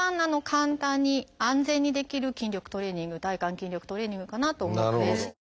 簡単に安全にできる筋力トレーニング体幹筋力トレーニングかなと思うので。